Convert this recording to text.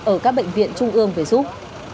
ở các bệnh viện trung ương về giúp